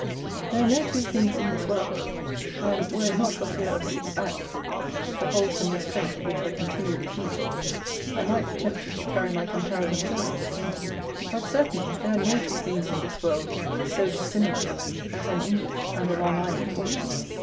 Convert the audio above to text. There are no two things in this world; and, were it not for fear of Six Acts (the "wholesome restraint" of which I continually feel) I might be tempted to carry my comparison further; but, certainly, there are no two things in this world so dissimilar as an English and a Long Island autumn.